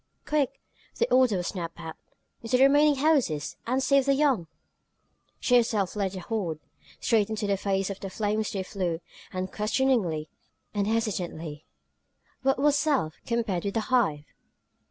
"Quick!" the order was snapped out. "Into the remaining houses, and save the young!" She herself led the horde. Straight into the face of the flames they flew, unquestioningly, unhesitantly. What was self, compared with the Hive?